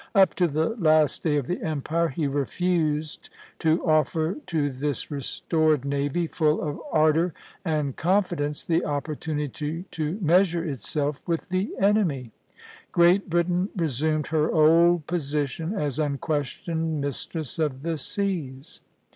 Up to the last day of the Empire he refused to offer to this restored navy, full of ardor and confidence, the opportunity to measure itself with the enemy." Great Britain resumed her old position as unquestioned mistress of the seas.